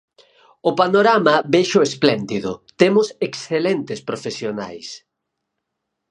O panorama véxoo espléndido, temos excelentes profesionais.